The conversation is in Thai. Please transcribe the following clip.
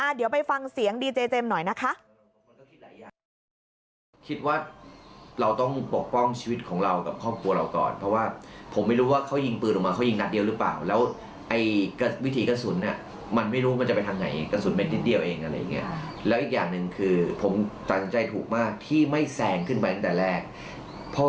เดี๋ยวไปฟังเสียงดีเจเจมส์หน่อยนะคะ